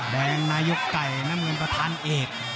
แดงนายกไก่น้ำเงินประธานเอก